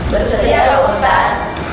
bersedia pak ustadz